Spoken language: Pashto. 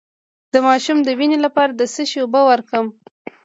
د ماشوم د وینې لپاره د څه شي اوبه ورکړم؟